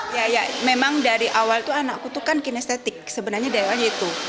ya ya memang dari awal itu anakku itu kan kinestetik sebenarnya dayanya itu